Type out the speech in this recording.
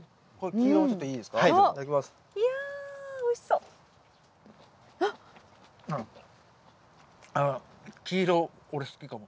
黄色俺好きかも。